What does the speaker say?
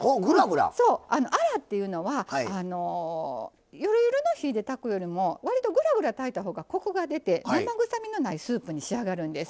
アラっていうのはゆるゆるの火で炊くよりも割とぐらぐら炊いたほうがコクが出て生臭みのないスープに仕上がるんです。